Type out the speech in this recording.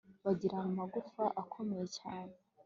bagira amagufa akomeye cyane